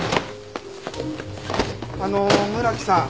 あの村木さん。